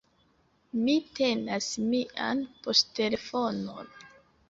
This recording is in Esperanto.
Mi tenas mian poŝtelefonon.